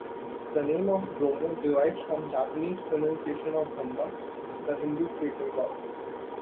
The name of "Bromo" derived from Javanese pronunciation of Brahma, the Hindu creator god.